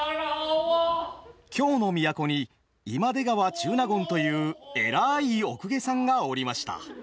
京の都に今出川中納言という偉いお公家さんがおりました。